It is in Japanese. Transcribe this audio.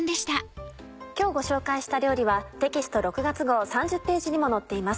今日ご紹介した料理はテキスト６月号３０ページにも載っています。